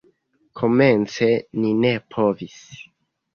Komence ni ne povis.